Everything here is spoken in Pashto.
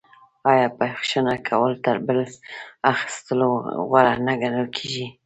آیا بخښنه کول تر بدل اخیستلو غوره نه ګڼل کیږي؟